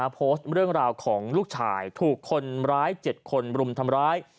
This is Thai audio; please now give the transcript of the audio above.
โพสต์เรื่องราวของลูกชายถูกคนร้าย๗คนรุมทำร้าย